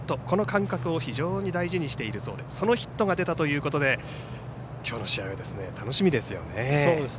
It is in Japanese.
この感覚を非常に大事にしているそうでそのヒットが出たということできょうの試合、楽しみですね。